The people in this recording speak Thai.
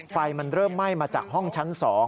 ไฟมันเริ่มไหม้มาจากห้องชั้น๒